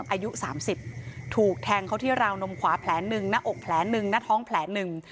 อายุสามสิบถูกแทงเขาที่ราวนมขวาแผลหนึ่งหน้าอกแผลหนึ่งหน้าท้องแผลหนึ่ง